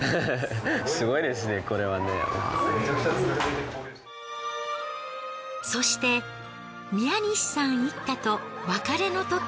すごいですねこれはね。そして宮西さん一家と別れのとき。